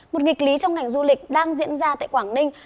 một nghịch lý trong ngành du lịch đang diễn ra tại quảng ninh